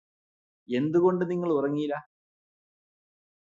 എന്തുകൊണ്ട് നിങ്ങള് ഉറങ്ങിയില്ല